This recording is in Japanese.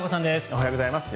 おはようございます。